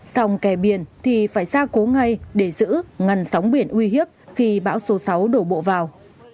xong kè biển thì phải ra cố ngay để giữ ngăn sóng biển uy hiếp khi bão số sáu đổ bộ vào